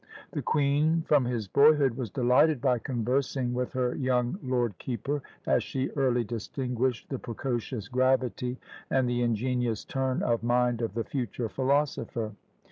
The queen, from his boyhood, was delighted by conversing with her "young lord keeper," as she early distinguished the precocious gravity and the ingenious turn of mind of the future philosopher.